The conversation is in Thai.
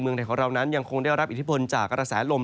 ไทยของเรานั้นยังคงได้รับอิทธิพลจากกระแสลม